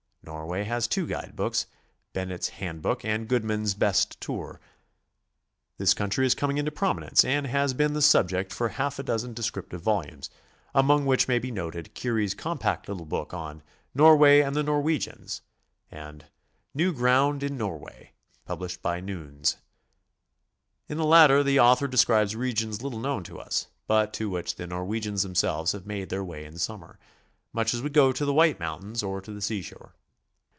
Norway has two guidebooks, Ben net's "Handbook," and Goodman's "Best Tour." This coun try is coming into prominence and has been the subject for SOMEWHAT LITERARY. 24? half a dozen descriptive volumes, among which may be noted Keary's compact little book on "Norway and the Norwe gians," and "New Ground in Norway," published by Newnes. In the latter the author describes regions little known to us, but to which the Norwegians themselves have made their way in summer, much as we go to the White Mountains or to the seashore.